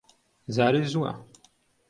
جارێ زووە.